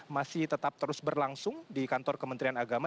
jadi tetap terus berlangsung di kantor kementerian agama